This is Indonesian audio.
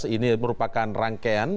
ini merupakan rangkaian